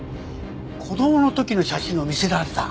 子供の時の写真を見せられた。